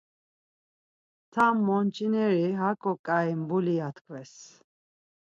Tam monç̌ineri, aǩo ǩai mbuli ya tkvez.